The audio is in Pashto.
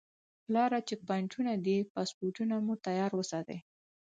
پر لاره چیک پواینټونه دي پاسپورټونه مو تیار وساتئ.